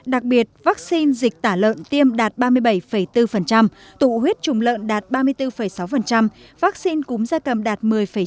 đặc biệt vaccine dịch tả lợn tiêm đạt ba mươi bảy bốn tụ huyết trùng lợn đạt ba mươi bốn sáu vaccine cúm da cầm đạt một mươi chín